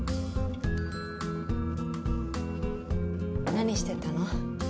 何してたの？